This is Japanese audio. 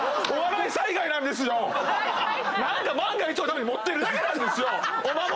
万が一のために持ってるだけなんですよ！